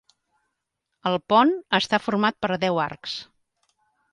El pont està format per deu arcs.